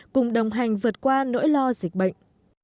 cùng đồng hành vượt qua nỗi lo dịch bệnh